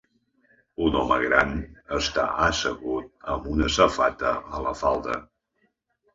Un home gran està assegut amb una safata a la falda.